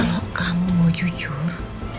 nggak loh kamu mau jujur